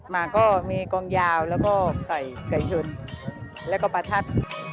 มาก็มีกองยาวแล้วก็ใส่ไก่ชนแล้วก็ประทัด